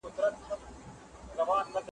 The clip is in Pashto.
ښار یې مه بولئ یارانو د زندان کیسه کومه ,